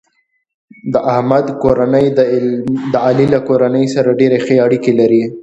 د احمد کورنۍ د علي له کورنۍ سره ډېرې ښې اړیکې لري.